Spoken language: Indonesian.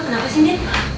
kenapa sih reina